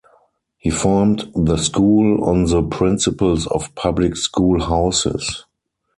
He formed the school on the principles of public school houses.